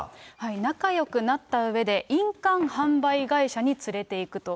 仲よくなったうえで、印鑑販売会社に連れていくと。